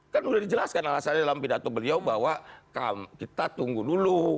kan udah dijelaskan alasannya dalam pidato beliau bahwa kita tunggu dulu